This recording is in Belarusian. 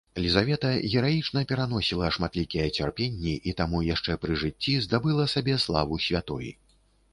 Лізавета гераічна пераносіла шматлікія цярпенні і таму яшчэ пры жыцці здабыла сабе славу святой.